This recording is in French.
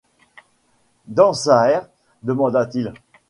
Dansaert, demanda-t-il.